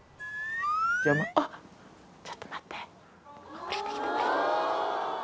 あっちょっと待って。